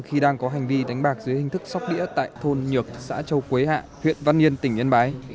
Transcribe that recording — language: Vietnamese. khi đang có hành vi đánh bạc dưới hình thức sóc đĩa tại thôn nhược xã châu quế hạ huyện văn yên tỉnh yên bái